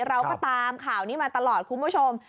เราก็ตามข่าวนี้มาตลอดคุณผู้ชม